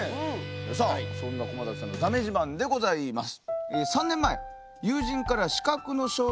さあそんな駒崎さんのだめ自慢でございます。